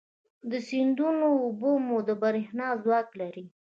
د سیندونو اوبه مو د برېښنا ځواک لري.